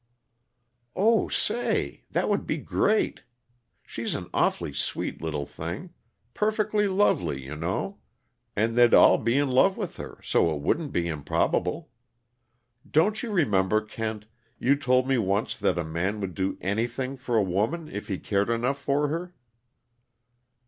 "Oh, say that would be great! She's an awfully sweet little thing perfectly lovely, you know and they'd all be in love with her, so it wouldn't be improbable. Don't you remember, Kent, you told me once that a man would do anything for a woman, if he cared enough for her?"